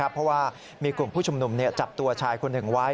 เพราะว่ามีกลุ่มผู้ชุมนุมจับตัวชายคนหนึ่งไว้